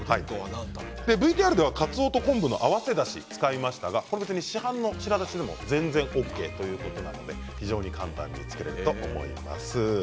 ＶＴＲではカツオと昆布の合わせだしを使いましたが市販の白だしでも全然ＯＫということなので、非常に簡単に作れると思います。